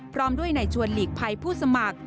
พร้อมด้วยในชวนหลีกภัยผู้สมัคร